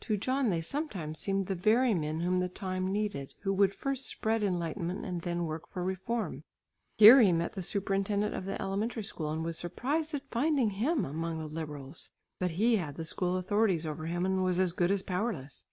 To John they sometimes seemed the very men whom the time needed, who would first spread enlightenment and then work for reform. Here he met the superintendent of the elementary school and was surprised at finding him among the liberals. But he had the school authorities over him and was as good as powerless.